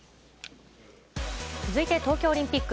続いて東京オリンピック。